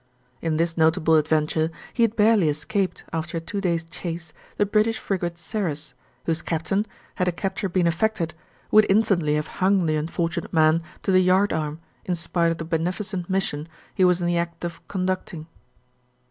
In this notable adventure he had barely escaped, after a two days' chase, the British frigate Ceres, whose captain, had a capture been effected, would instantly have hung the unfortunate man to the yardarm in spite of the beneficent mission he was in the act of conducting.